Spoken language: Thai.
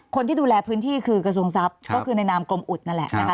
คนที่ดูแลพื้นที่คือกสงสัพทร์ในนามกลมอุดนั่นแหละ